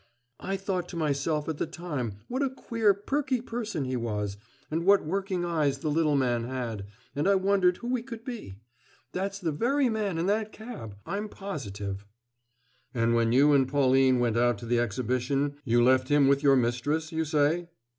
"I thought to myself at the time what a queer, perky person he was, and what working eyes the little man had, and I wondered who he could be. That's the very man in that cab, I'm positive." "And when you and Pauline went out to the Exhibition you left him with your mistress, you say?"